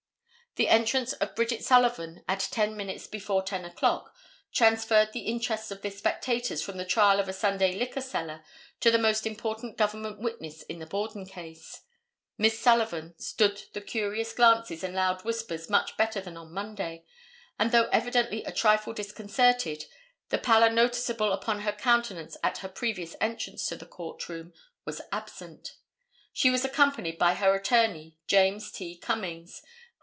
The entrance of Bridget Sullivan at ten minutes before 10 o'clock transferred the interest of the spectators from the trial of a Sunday liquor seller to the most important government witness in the Borden case. Miss Sullivan stood the curious glances and loud whispers much better than on Monday, and, though evidently a trifle disconcerted, the pallor noticeable upon her countenance at her previous entrance to the court room was absent. She was accompanied by her attorney, James T. Cummings.